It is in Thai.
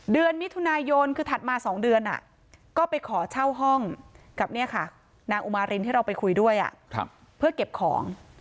เดือนมิถุนายนคือถัดมา๒เดือนก็ไปขอเช่าห้องกับเนี่ยค่ะนางอุมารินที่เราไปคุยด้วยเพื่อเก็บของ